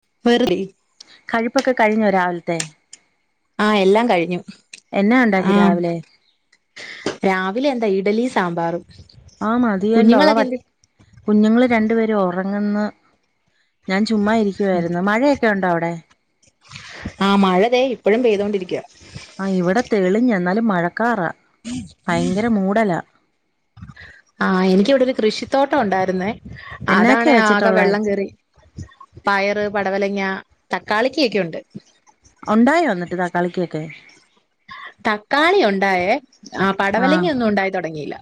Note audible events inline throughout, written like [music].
[unintelligible] വെറുതെ കഴുപ്പൊക്കെ കഴിഞ്ഞു രാവിലത്തെ ആഹ എല്ലാം കഴിഞ്ഞു എന്നാ ഉണ്ടാക്കി ആ രാവിലെ രാവിലെ എന്താ ഇഡലി സാമ്പാർ ആഹ മതിയല്ല ഉള്ള കുഞ്ഞുങ്ങള് രണ്ടുപേരും ഒറ ആ ഞാൻ ചുമ്മാ ഇരിക്കുവായിരുന്നു മഴയൊക്കെ ഉണ്ടോ അവിടെ ആഹ മഴതേ ഇപ്പഴും പെയ്തൊണ്ടിരിക്കുവ ആഹ് ഇവിടെ തെളിഞ്ഞു എന്നാലും മഴ ആ എനിക്ക് ഇവിടെ ഒരു കൃഷി തോട്ടം ഉണ്ടായിരുന്നേ അതാണ് എന്നാക്കെയാ ആകെ വെച്ചിട്ടുള്ളേ വെള്ളം കേറി പയറ് പടവലങ്ങ തക്കാളിക്കക്കെക്കൊണ്ട്. ഒണ്ടായോ ന്നിട്ട് തക്കാളിക്കൊക്കെ തക്കാളി ഉണ്ടായേ ആ പടവലങ്ങ ഒന്നും ഒണ്ടായി തൊ ട്ങ്ങിയില്ല.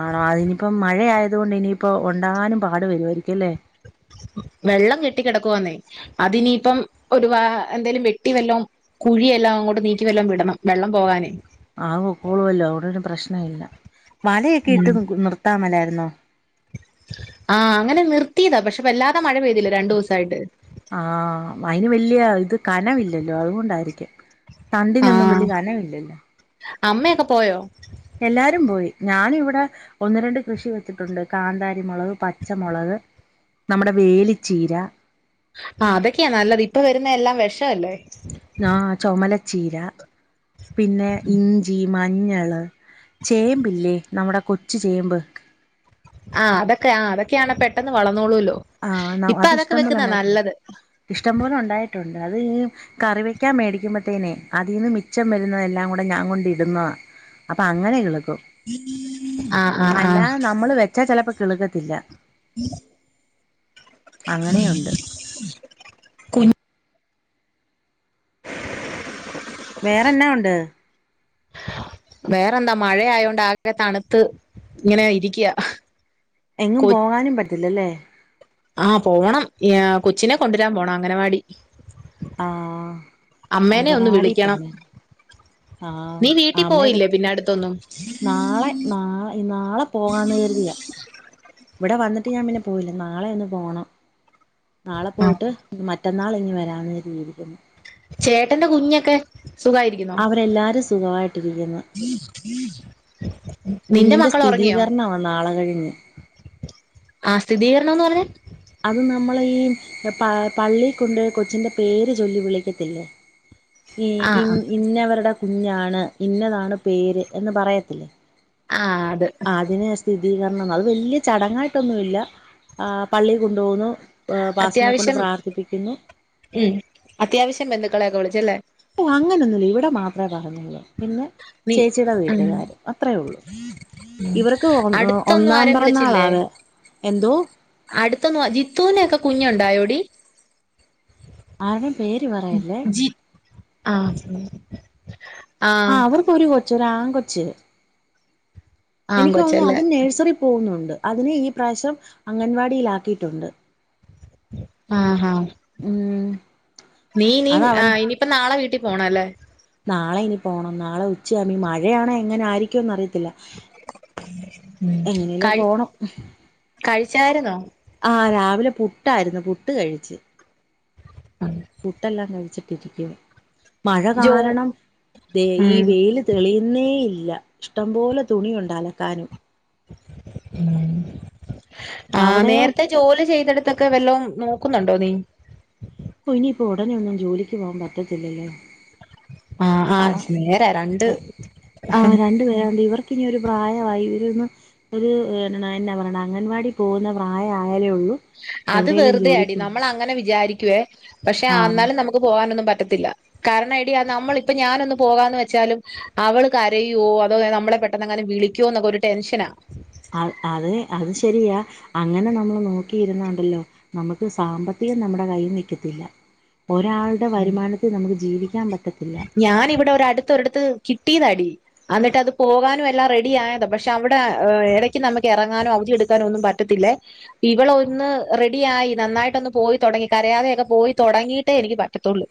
ആണോ അതിനിപ്പം മഴ ആയത് കൊണ്ട് ഇനിയിപ്പോ ഒണ്ടാകാനും പാട് വരുവായിരിക്കുംല്ലേ. വെള്ളം കെട്ടി കെടക്കുവന്നേ അതിനിപ്പം ഒരു വ എന്തേലും വെട്ടി വെല്ലോം കുഴിയെല്ലാം അങ്ങോട്ട് നീക്കി വെല്ലം വിടണം വെള്ളം പോവാനേ ആവോക്കളുവല്ലോ അവിടും പ്രശ്ന ഇല്ല മലയൊക്കെ ഉം ഇട്ട് നിർത്താ മേല ന്നോ ആഹ് അങ്ങനെ നിർത്തിയതാ പഷേ വല്ലാതെ മഴ പെയ്തില്ല രണ്ടൂസായിട്ട്. ആഹ് അയിന് വല്യ ഇത് കനവില്ലല്ലോ അതുകൊണ്ടായിരിക്കും തണ്ടിനൊന്നും ആഹ് വല്യ കനമില്ലല്ലോ. അമ്മയൊക്കെ പോയോ? എല്ലാരും പോയി ഞാനിവിടെ ഒന്ന്, രണ്ട് കൃഷി വെച്ചിട്ടുണ്ട്. കാന്താരിമൊളക്, പച്ചമൊളക്, നമ്മുടെ വേലിച്ചീര ആ അതൊക്കെയാ നല്ലത് ഇപ്പൊ വരുന്ന എല്ലാം വേശവല്ലേ. ആ ചൊമല ചീരാ പിന്നെ ഇഞ്ചി, മ- മഞ്ഞള്, ചേമ്പില്ലേ നമ്മ്ടെ കൊച്ചു ചേമ്പ്. ആഹ് അതൊക്കെ ആ അതൊക്കെയാണ് പെട്ടെന്ന് വളന്നോളൂവല്ലോ. ആഹ് അത് ഇഷ്ടംപോലെ ഉണ്ടായിട്ടുണ്ട് ഇഷ്ടംപോലെ ഉണ്ടായിട്ടുണ്ട് അത് കറി വെക്കാൻ മേടിക്കുമ്പോഴത്തേനേ അതിന്ന് മിച്ചം വരുന്നതെല്ലാം കൂടെ ഞാൻ കൊണ്ടിടുന്നതാ അപ്പം അങ്ങനെ കിളി ആ ആ ആ അല്ല നമ്മള് വെച്ചാ ചിലപ്പോ കിളുകത്തില്ല ഉം അങ്ങനെയുണ്ട് കുഞ് വേറെന്നാ ഉണ്ട് വേറെന്താ മഴയായോണ്ട് ആകെ തണുത്ത് ഇങ്ങനെ ഇരിക്കുക എങ്ങും പോകാനും പറ്റില്ലല്ലേ ആഹ് പോണം കൊച്ചിനെ കൊണ്ടുവരാൻ പോണം അംഗനവാടി ആഹ് അമ്മേനെ ഒന്നു അംഗനവാടി വിളിക്കണം പോണേ ആഹ് നീ വീട്ടിൽ ആമ്മയ പോയില്ലേ പിന്നെ അടുത്തൊന്നും നാളെ നാളെ നാളെ പോകാന്ന് കരുതിയാ ഇവിടെ വന്നിട്ട് ഞാൻ പിന്നെ പോയില്ല നാളെയൊന്ന് പോണം നാളെ ആ പോയിട്ട് മ മാറ്റന്നാൾ ഇങ്ങ് വരാന്ന് കരിതിയിരിക്കുന്നു ചേട്ടന്റെ കുഞ്ഞൊക്കെ സുഖായിരിക്കുന്നോ അവരെല്ലാരും സുഖമായിട്ടിരിക്കുന്നു നിന്റെ കുഞ്ഞിന്റെ മക്കൾ ഉറങ്ങിയോ സ്ഥിതീകരണമാണ് നാളെ കഴിഞ്ഞ് ആ സ്ഥിതീകരണംന്ന് പറഞ്ഞാൽ അത് നമ്മള് ഈ പ പള്ളി കൊണ്ട് കൊച്ചിന്റെ പേര് ചൊല്ലി വിളിക്കത്തില്ലേ ഈ ആ ഇൻ ആ ഇന്നവരുടെ കുഞ്ഞാണ് ഇന്നതാണ് പേര് എന്ന് പറയത്തില്ലേ ആ അത് സ്തുതികരണം അത് വല്യയ ചടങ്ങായിട്ടൊന്നുല്ല ആ പള്ളി കൊണ്ടു പോകുന്നു അത്യാവശ്യം ഉം അത്യാവശ്യം ബന്ധുക്കളെ ഒക്കെ വിളിച്ച് അല്ലേ ഓ അങ്ങനെന്നുവില്ല ഇവിടെ മാത്രെ പറഞ്ഞള്ളൂ. പിന്നെ നീ ചേച്ചിയുടെ ഉം വീട്ടുകാര് അത്രേ ഉള്ളു ഇവർക്ക് ഒ അടുത്തൊന്നും ഒന്നാം ആരേം വിളിച്ചില്ലേ പറന്നാളാവ എന്തോ ണ്ടായോടി ആരെ ജി ആ ആ അവർക്കൊരു കൊ ച്ച് ഒരാങ്കൊച്ച് ആൺ എനിതോന്നുന്നു കൊച്ചല്ലേ അത് നഴ്സറി പോകുന്ന് ണ്ട് അതിനേ ഈ പ്രാശ്യം അംഗൻവാടിലാക്കിയിട്ടുണ്ട്. ആ ആ ഉം നീ ഇനി അത് അവൻ ആ ഇനിയിപ്പ നാളെ വീട്ടി പോണല്ലേ നാളെയിനി പോണം നാളെ ഉച്ചയാവുമ്പം മഴയാണെ എങ്ങനെ ആയിരിക്കുന്നറിയി ത്തില്ല എങ്ങനേലും പോണം ച്ചായിരുന്നോ ആ രാവിലെ പുട്ടായിരുന്നു പുട്ട് കഴിച്ച്. പുട്ടെല്ലാം കഴിച്ചി ട്ടിരിക്കുവാ മഴ ജോ കാരണം ദെ ഈ ഉം വെയില് തെളി ന്നേയില്ല ഇഷ്ടം പോലെ തുണിയുണ്ടലക്കാനും ഉം ആ അവിടെയോ നേരത്തെ ജോലി ചെയ്തെടുത്തൊക്കെ വല്ലോം നോ ക്കുന്നുണ്ടോ നീ ഓ ഇനിയിപ്പോ ഉടനെയൊന്നും ജോലിക്ക് പോവാൻ പറ്റത്തില്ലല്ലൊ. ആഹ് ആ ആഹ് നേരാ രണ്ട് ആ ആ രണ്ട്പേരണ്ട് ഇവർക്കിനി ഒരു പ്രായമായി ഇവരെ ഒന്ന് ഒരു എന്നാണോ എന്നാപറയണെ അംഗൻവാടി പോകുന്ന പ്രായ അത് വെറുതെയാടീ പോണം നമ്മളങ്ങനെ വിചാരി ക്കുവെ പക്ഷെ ആഹ് ആന്നാലും നമുക്ക് പോകാനൊന്നും പറ്റ റ്റത്തില്ല കാരണം എടീ നമ്മളിപ്പം ഞാനൊന്ന് പോകാന്ന് വെച്ചാലും അവള് കരയുവൊ അതോ നമ്മളെ പെട്ടെന്നെങ്ങാനും വിളിക്കുവോ എന്നൊക്കൊരു ടെൻഷനാ അ അത് അത് ശരിയാ അങ്ങനെ നമ്മള് നോക്കിയിരുന്നാണ്ടല്ലോ നമ്മക്ക് സാമ്പത്തികം നമ്മടെ കയ്യില് നിൽക്കത്തില്ല ഒരാളുടെ വരുമാനത്തിൽ നമുക്ക് ജീവിക്കാൻ പറ്റത്തില്ല ഞാനിവിടെ ഒരടുത്ത് ഒരിടത്ത് കിട്ടിയതാടീ അന്നിട്ടത് പോകാനും എല്ലാം റെഡിയായതാ പക്ഷെ അവിടെ ഇടയ്ക്ക് നമുക്ക് ഇറങ്ങാനോ അവധിയെടുക്കാനോ ഒന്നും പറ്റത്തില്ലെ ഇവള് ഒന്ന് റെഡി ആയി നന്നായിട്ടൊന്ന് പോയി തുടങ്ങി കരയാതൊക്കെ പോയി തുടങ്ങീട്ട് എനിക്ക് പ റ്റത്തുള്ളൂ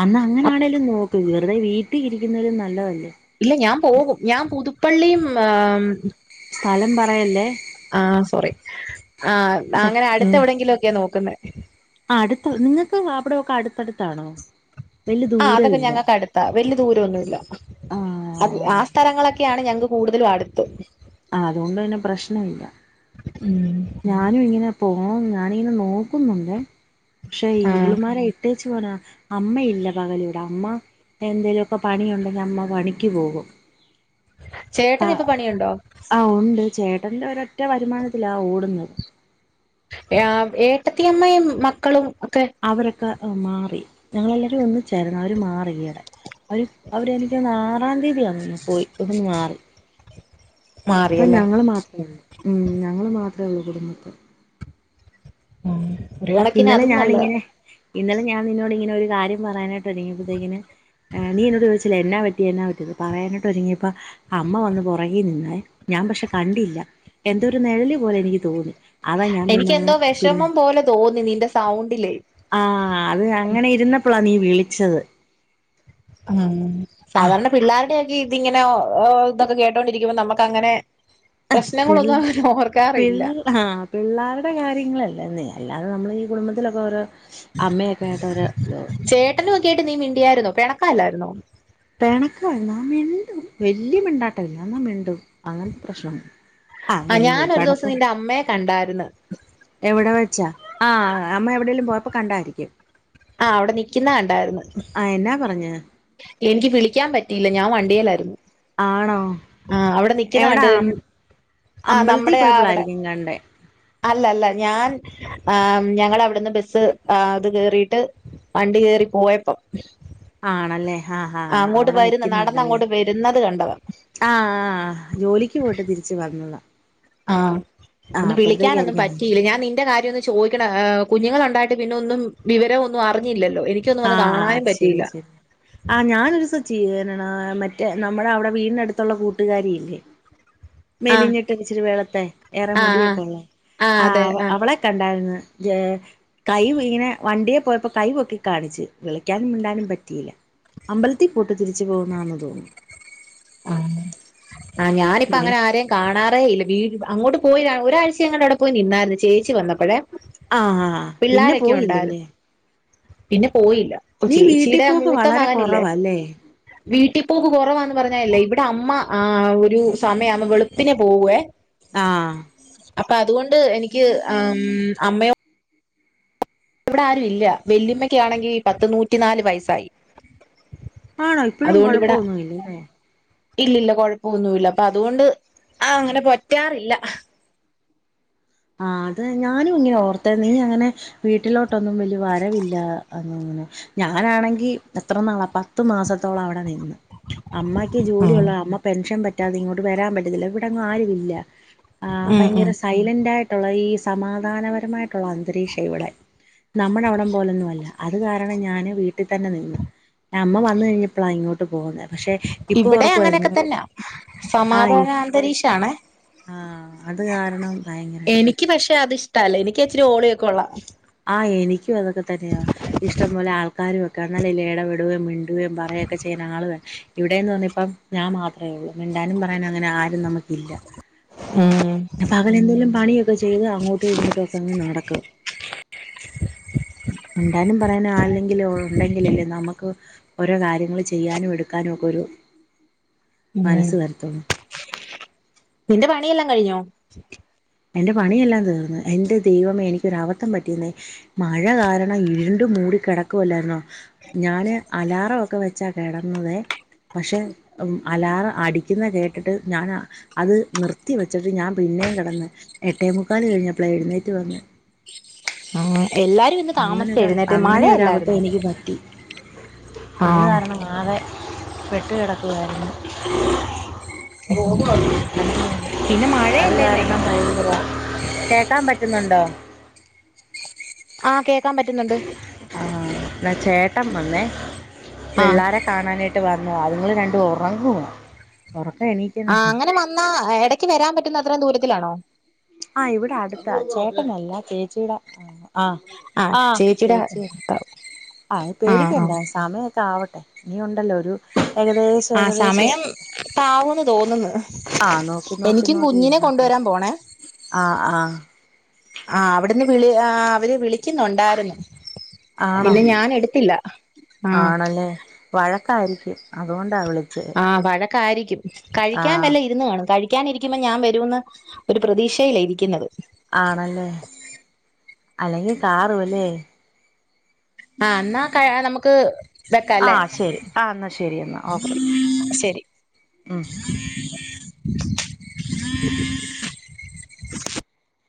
അന്ന് അങ്ങനാണേലും നോക്ക് വെറുതെ വീട്ടി ട്ടി ഇരിക്കുന്നതിലും നല്ലതല്ലേ പള്ളിയും സ്ഥലം പറയല്ലേ ആ സോറി ആ അങ്ങനെ അടുത്ത് ഉം എവിടെങ്കിലും ഒക്കെയ നോക്കുന്നത് ആ അടുത്ത നിങ്ങൾക്ക് അവിടെയൊക്കെ അടുത്തടുത്താണോ വലിയ ആ അതൊക്കെ ദൂരമില്ല ഞങ്ങൾക്ക് അടുത്താ വല്ല്യ ദൂരവൊന്നുമില്ല ആ അത് ആ സ്ഥലങ്ങളൊക്കെ യാണ് ഞങ്ങൾക്ക് കൂടുതലും അടുത്ത് ആ അതുകൊണ്ട് തന്നെ പ്രശ്നം ഇല്ല ഞാനും ഇങ്ങനെ പോ ഓ ഞാനിങ്ങനെ നോക്കുന്നുണ്ടേ പക്ഷെ ആഹ് വളുമാരായിട്ട് പോ അമ്മയില്ല പകലിവിടെ അമ്മ എന്തേലുമൊക്കെ പണിയുണ്ടെങ്കിൽ അമ്മ പണിക്ക് പോകും ആ ചേട്ടനിപ്പോ പണിയുണ്ടോ? ആ ഉണ്ട് ചേട്ടന്റെ ഒരൊറ്റ വരുമാനത്തിലാ ഓ ടുന്നേ ആ ഏട്ടത്തിയമ്മയും മക്കളും ഒക്കെ അവരൊക്കെ മാറി ഞങ്ങളെല്ലാവരും ഒന്നിച്ചാരുന്നു അവര് മാറി ഈയിടെ അവര് അവരെനിക്ക് തോന്നുന്നേ ആറാം തീയതി ആ പോയി ഇവിടുന്നു മാറി അപ്പൊ മാറിയല്ലേ ഞങ്ങള് മാത്ര ഉള്ളൂ ഉം ഞങ്ങള് മാ ത്രേ ഉള്ളു കുടുംബത്ത് ആ ഇന്നലെ ഞാനിങ്ങനെ ഇന്നലെ ഞാൻ നിന്നോട് ഇങ്ങനെ ഒരു കാര്യം പറയാനായിട്ട് ഒരുങ്ങിയപ്പോഴത്തേക്കിന് നീ എന്നോട് ചോദിച്ചില്ലേ എന്നാ പറ്റി എന്നാ പറ്റിയെന്ന് പറയാനായിട്ട് ഒരുങ്ങിയപ്പോ അമ്മ വന്ന് പുറകെ നിന്നേ ഞാൻ പക്ഷെ കണ്ടില്ല എന്തൊ ഒരു നിഴല് പോലെ എനിക്ക് തോന്നി അതാ ഞാൻ എനിക്ക് പിന്നെ അങ്ങ് എന്തോ പിന്നെ വിഷമം പോലെ തോന്നി നിന്റെ സൗണ്ടിലേ ആ അത് അങ്ങനെ ഇരുന്ന പ്പളാ നീ വിളിച്ചത് ആ ആ സാധാരണ പിള്ളരുടെയൊക്കിം ഇഇങ്ങനെ [unintelligible] ഇതൊക്കെ കേട്ടോണ്ടിരിക്കുമ്പ നമക്ക് അങ്ങനെ അഹ് പിള് പ്രശ്നങ്ങളൊന്നും അങ്ങനെ ഓർക്കാറില്ല പിള് ആഹ് പിള്ളാരുടെ കാര്യങ്ങളല്ലേന്ന് ഞാൻ അല്ലാതെ നമ്മൾ ഈ കുടുംബത്തിലൊക്കൊ ഓരോ അമ്മയെ ക്കേട്ടോരോ രൊ കേട്ട് നീ മിണ്ടിയായ്രുന്നോ പ പെണക്കല്ലായിരുന്നോ പെണക്കന്ന മിണ്ടും വല്ല്യ മിണ്ടാട്ടല്ല ന്നാ മിണ്ടും അങ്ങൻത്തെ പ്രശ്നം [unintelligible] ആഹ് ഞാനൊരു ദെവസം നിന്റെ അമ്മയെ കണ്ടാര്ന്നു ച്ച ആഹ് അമ്മ എവിടെേലും പോയപ്പോ കണ്ടായ്രിക്കും ആഹ് അവിടെ നിയ്ക്ക്ന്ന ക്കണ്ടാര്ന്നു ആഹ് എന്നാ കൊറഞ്ഞ് എനിക്ക് വിളിക്കാൻ പറ്റിയില്ല ഞാ വണ്ടിയെലാര്ന്ന്. ആണോ ആഹ് അവിടെ നിയ്ക്കുന്നെ എവിടാ കണ്ട് ആഹ് അമ്പലത്തിൽ നമ്മടെ ആഹ് അവിടെ പോയപ്പോളായിരിക്കും കണ്ടേ അല്ല അല്ല ഞാൻ ഞങ്ങട അവിടെന്ന് ബെസ്സ് അത് കേറീട്ട് വണ്ടി കേറി പോയപ്പം ആണല്ലേ ആഹ് ആ, ആഹ് അങ്ങോട്ട് അവിടെ വരുന്ന നടന്ന് നിക്കുന്നുണ്ടല്ലേ അങ്ങോട്ട് വരുന്നത് കണ്ടതാ ആഹ് ജോലിക്ക് പോയിട്ട് തിരിച്ച് വന്നത ആഹ് ഒന്ന് വിളിക്കാനൊന്നും നീ പറ്റിയില്ല ഞാ നിന്റെ കാര്യം ഒന്ന് ചോയ്ക്കണ [unintelligible] കുഞ്ഞുങ്ങളൊണ്ടായിട്ട് പിന്നൊന്നും വിവരൊന്നും അറിഞ്ഞില്ലല് ആ ആ അത് ശരി ശരി ആഹ് ഞാനൊരൂസ [unintelligible] മറ്റേ നമ്മടെ അവിടെ വീടിനടുത്തുള്ള കൂട്ടുകാരിയില്ലേ ആ മെലിഞ്ഞിട്ട് ഇച്ചിരി വെള്ത്തെ ഏറെ ആ ആ മുടിയൊക്കൊള്ളേ ആ അവ അവളെ കണ്ടാര്ന്ന് ജേ കൈ വീണെ വണ്ടിയെ പോയപ്പോ കൈ പൊക്കി ക്കാണിച്ച് വിളിക്കാനും മിണ്ടാനും പറ്റീല്ല അമ്പലത്തീ പോട്ട് തിരിച്ചു പോകുന്നാന്ന് തോന്നുന്നു ആ ആ ഏഹ് ഞാനിപ്പങ്ങനെ ആരേം കാണാ റേയില്ല വീട് അങ്ങോട്ട് പോയി ഒരാഴ്ചയെങ്ങാണ്ട് അവിടെ പോയി നിന്നാര്ന്നു ചേച്ചി വന്നപ്പഴേ, ആ പിന്നെ പിള്ളാരൊക്കെ പോയില്ലല്ലേ ഉണ്ടായിരുന്നു പിന്നെ പോയില്ല നീ വീട്ടിൽ ചേച്ചീടെ പോക്ക് മൂത്ത വളരെ മകനില്ലേ കുറവല്ലേ വീ ട്ടീപ്പോക്ക് കൊറവാന്ന് പറ ഞ്ഞഅല്ലേ ഇവിടെ അമ്മ ആ ഒരു സമയാമ വെളുപ്പിനെ പോവേ ആഹ് അപ്പ അതുകൊണ്ട് എനിക്ക് അം അമ്മയോ ഇവിടെ ആരു ഇല്ല വെല്ല്യമ്മക്കാണെങ്കി പത്ത് നൂറ്റിനാല് വയസ്സായി. ആണോ ഇപ്പഴും അതുകൊണ്ട് ഇവിടെ കൊഴപ്പൊന്നുവില്ലല്ലേ ഇല്ലില്ല കൊഴപ്പൊന്നൂല്ല അപ്പൊ അതുകൊണ്ട് ആ അങ്ങനെ പറ്റാറില്ല ആ അത് ഞാനും ഇങ്ങനെ ഓർത്തെ നീ അങ്ങനെ വീട്ടിലോ ട്ടൊന്നും വല്യ വരവില്ലന്ന് അ അങ്ങനെ ഞാനാണെങ്കി എത്ര നാള പത്ത് മാസത്തോളം അവിടെ നിന്ന് അമ്മയ്ക്ക് ജോലി ഉം ഉള്ളതാ അമ്മ പെൻഷൻ പറ്റി റ്റാതെ അത് ഇങ്ങോട്ട് വരാൻ പറ്റത്തില്ല ഇവിടങു ആരു ഇല്ല ആ ഉം പയങ്കര ഉം സൈലന്റ് ആയി ട്ടുള്ള ഈ സമാധാനപരമായിട്ടുള്ള അന്തരീക്ഷ ഇവിടെ നമ്മടവിടം പോലൊന്നും അല്ല അത് കാരണം ഞാന് വീട്ടിൽ തന്നെ നിന്ന് അമ്മ വന്ന് കഴിഞ്ഞപ്പളാ ഈ ഇങ്ങോട്ട് പോന്നെ പക്ഷെ ഇപ്പൊ ഇവിടെ അങ്ങനെയൊക്കെ ഓർക്കുവാരുന്നു തന്നാ ആ സമാധാന അന്തരീക്ഷാണേ ആഹ അത് കാരണം ഭയങ്കര എക്ക് പക്ഷെ അത്ഷ്ടല്ല എനിക്ക് അച്ചിരി ഒളിയം കൊള്ളാം ആ എനിക്കും അതൊക്കെ തന്നെയ ഇഷ്ടം പോലെ ആൾക്കാരും ഒക്കെ ആ നല്ലേല്ല ഇടപെട മ [unintelligible] പറയൊക്കെ ചെയ്യുന്ന ആള് വ [unintelligible] ഇവിടെന്ന് പറഞ്ഞിപ്പ ഞാൻ മാത്രം അയുള്ളൂ മിണ്ടാനും പറയാന അങ്ങനെ ആരും നമുക്ക് ഇല്ല ഉം പകല് എന്തേങ്കലും പണിയൊക്കെ ചെയ്ത് അങ്ങോട്ടും ഇങ്ങോട്ടും ഒക്കെ ഒന്ന് നടകും മിണ്ടാനും പറയാനും ആള ഉണ്ടെങ്കിൽല്ലേ നമുക്ക് ഓരോ കാര്യങ്ങള്ൾ ചെയ്യാനും എടുക്കാനുമ ഒക്കെ ഒരു ഉ മനസ്സ് വരത്തുള്ളൂ നിന്റെ പണിയല്ല കഴിഞ്ഞോ എന്റെ പണിയെല്ലാം തീർന്നു എൻന്റെ ദൈവമേ എനിക്കൊര അവദ്ധം പറ്റിയുന്നേ മഴ കാരണം ഇരുണ്ടും മൂടി കിടക്കുവല്ലായിരുന്നോ ഞാന് അലാറമൊക്കെ വെച്ചാ കിടന്നതേ പക്ഷെ അലാറം അടിക്കുന്ന കേട്ടിട്ട് ഞാൻ അത് നിർത്തി വെച്ചിട്ട് ഞാൻ പിന്നെയും കിടന്ന് എട്ടേമുക്കാല് കഴിഞ്ഞപ്പള എഴുന്നേറ്റ വന്ന് ആ എല്ലാരും ഇന്ന് താമസിച്ച എഴുന്നേറ്റ് അങ്ങനെൊരു അബദ്ധം മഴയല്ലായിരുന്നോ എനിക്ക് പറ്റി അങ് ആഹ് കാരണം ആകെ വെട്ടുകിടക്കുവായിരുന്നു പിന്നെ അത് മഴയല്ലേന്നെ കാരണം ഭയങ്കര കേക്കാൻ പറ്റുന്നുണ്ടോ ആ കേ ക്കാൻ പറ്റുന്നുണ്ട് ആഹ് എന്നാ ചേട്ടം വന്നേ ആ പിള്ളോരെ കാണാനായിട്ട് വന്നു അവര് രണ്ടും ഉറങ്ങുക ആ അങ്ങനെ വന്നാ ഇടക്ക് വരാൻ പറ്റ ന്ന അത്രയും ദൂരത്തിലാണോ ആ ഇവിടെ അടുത്താ ചേട്ട നല്ല ചേച്ചിയുടെ ആ ആ ചേച്ചി ആത് ആ ആ പേടിക്കണ്ട സമയൊക്ക ആവട്ടെ ഇനി ഉണ്ടല്ലോ ഒരു ഏകദേശം ആ ഏകദേശം സമയം താവൂന്ന് തോന്നുന്നു ആ നോക്കി നോക്കി എനിക്കും നോക്കി കുഞ്ഞിനെ ഇരുന്നത്രേ കൊണ്ടുവരാൻ പോണേ ആ ആ ആ അവിടുന്ന് വിളി ആ അവര് വിളി ക്കുന്നുണ്ടായിരുന്നു ആണോ പിന്നെ ഞാൻ എടുത്തില്ല ആ ആണല്ലേ വഴക്കായിരിക്കും അതുകൊണ്ടാ വിളി ആ വഴ ക്കായിരിക്കും കഴിക്കാൻ വല്ല ഇരുന്നു കാണും കഴി ക്കാനിരിക്കുമ്പോ ഞാൻ വരൂന്ന് ഒരു പ്രതീക്ഷയിലാ ഇരിക്കുന്നെ ആണല്ലേ അല്ലെങ്കി കാറൂല്ലേ ആ എന്നാ ക നമുക്ക് ആ വെക്കാല്ലേ ശരി ആ എന്നാ ശരി എന്നാ ഓക്കെ ശരി ഉം [inaudible]